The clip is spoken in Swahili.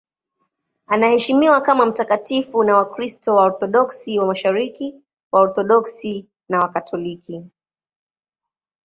Anaheshimiwa kama mtakatifu na Wakristo Waorthodoksi wa Mashariki, Waorthodoksi na Wakatoliki.